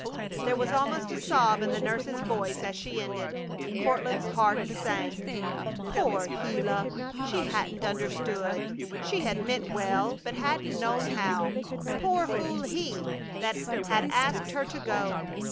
There was almost a sob in the nurse's voice as she ended. Courtland's heart sank. Poor Gila! She hadn't understood. She had meant well, but hadn't known how! Poor fool he, that had asked her to go!